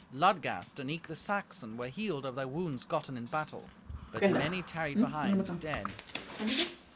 Ludgast and eke the Saxon were healed of their wounds gotten in battle, but many tarried behind, dead.